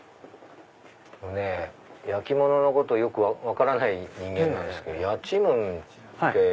焼き物のことよく分からない人間なんですけどやちむんって？